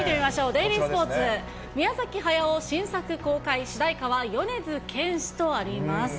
デイリースポーツ、宮崎駿新作公開、主題歌は米津玄師とあります。